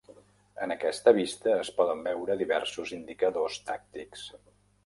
En aquesta vista, es poden veure diversos indicadors tàctics.